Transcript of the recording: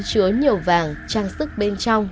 chứa nhiều vàng trang sức bên trong